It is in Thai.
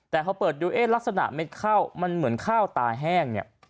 แต่พอเปิดดูลักษณะเม็ดข้าวมันเหมือนข้าวตาแห้ง